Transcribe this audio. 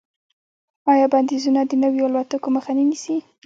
آیا بندیزونه د نویو الوتکو مخه نه نیسي؟